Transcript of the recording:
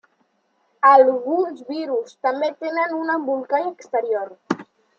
Alguns virus també tenen un embolcall exterior.